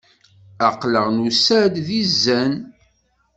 Aql-aɣ nusa-d di zzan.